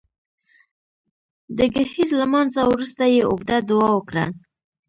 د ګهیځ لمانځه وروسته يې اوږده دعا وکړه